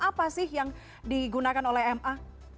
apa sih yang digunakan oleh ma